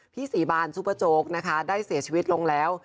พี่ศรีบานซุปเปอร์โจ๊กนะคะได้เสียชีวิตลงแล้ว